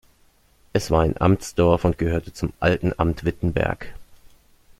Es war ein Amtsdorf und gehörte zum „Alten Amt Wittenberg“.